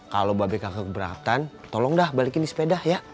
kalau babek kakek beratan tolong dah balikin di sepeda ya